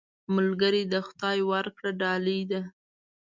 ملګری د خدای ورکړه ډالۍ ده